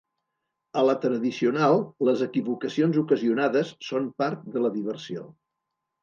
A la tradicional, les equivocacions ocasionades són part de la diversió.